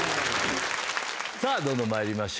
さあどんどん参りましょう。